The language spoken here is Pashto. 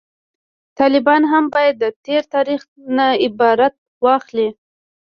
طالبان هم باید د تیر تاریخ نه عبرت واخلي